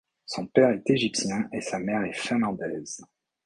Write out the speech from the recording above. Son père est égyptien et sa mère est finlandaise.